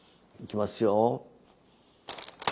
いきますよ！